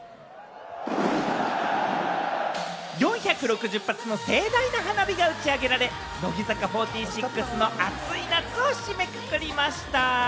４６０発の盛大な花火が打ち上げられ、乃木坂４６の熱い夏を締めくくりました。